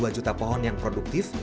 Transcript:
dua juta pohon yang produktif